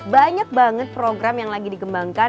banyak banget program yang lagi dikembangkan